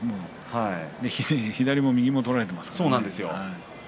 左も右も取られています。